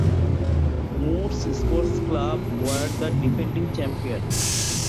Moors Sports Club were the defending champions.